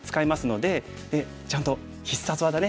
でちゃんと必殺技ね。